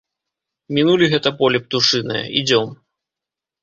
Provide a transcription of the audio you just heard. Мінулі гэта поле птушынае, ідзём.